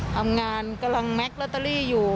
ทำงานกำลังแก๊กลอตเตอรี่อยู่